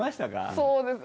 そうですね。